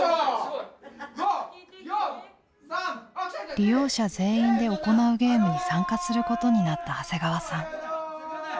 利用者全員で行うゲームに参加することになった長谷川さん。